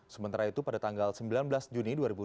sementara itu pada tanggal sembilan belas juni dua ribu dua puluh